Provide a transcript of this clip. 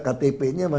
kamu bisa liat gak